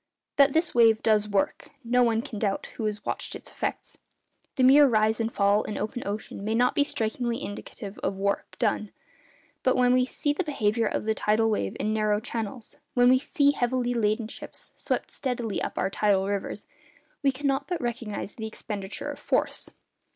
That this wave 'does work,' no one can doubt who has watched its effects. The mere rise and fall in open ocean may not be strikingly indicative of 'work done;' but when we see the behaviour of the tidal wave in narrow channels, when we see heavily laden ships swept steadily up our tidal rivers, we cannot but recognise the expenditure of force.